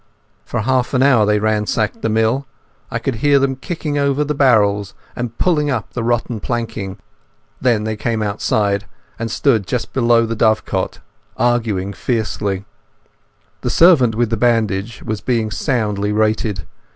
For half an hour they ransacked the mill. I could hear them kicking over the barrels and pulling up the rotten planking. Then they came outside, and stood just below the dovecot arguing fiercely. The servant with the bandage was being soundly rated.